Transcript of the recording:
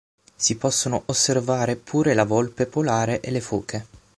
Si possono osservare pure la volpe polare e foche.